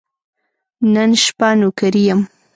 نن شپه نوکري یم .